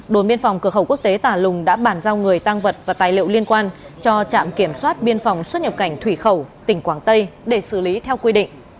đồn biên phòng cửa khẩu quốc tế tà lùng đã bản giao người tăng vật và tài liệu liên quan cho trạm kiểm soát biên phòng xuất nhập cảnh thủy khẩu tỉnh quảng tây để xử lý theo quy định